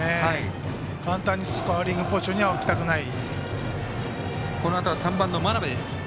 簡単にスコアリングポジションには置きたくない。